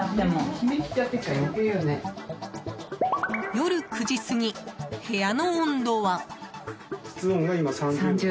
夜９時過ぎ、部屋の温度は。